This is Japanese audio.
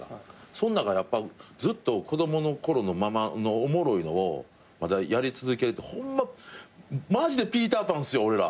そん中やっぱずっと子供の頃のままのおもろいのをまだやり続けるってホンママジでピーター・パンっすよ俺ら。